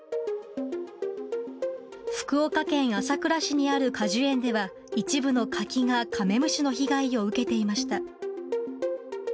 福岡県朝倉市にある果樹園では、一部の柿がカメムシの被害を受けていました。